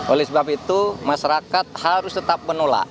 oleh sebab itu masyarakat harus tetap menolak